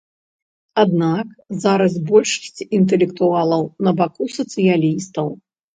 Аднак зараз большасць інтэлектуалаў на баку сацыялістаў.